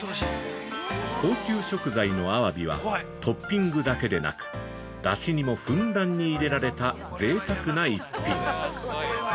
◆高級食材のアワビは、トッピングだけでなく、だしにもふんだんに入れられたぜいたくな逸品。